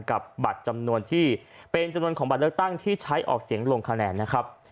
กับบัตรจำนวนที่เป็นจำนวนของบัตรเลือกตั้งที่ใช้ออกเสียงลงคะแนนนะครับ